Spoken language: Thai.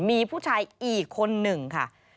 มีผู้ชายอีกคนหนึ่งค่ะ